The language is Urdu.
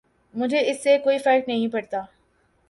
مجھے اس سے کوئی فرق نہیں پڑتا۔